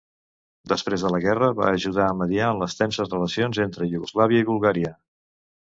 Després de la guerra va ajudar a mediar en les tenses relacions entre Iugoslàvia i Bulgària.